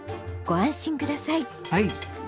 ご安心ください。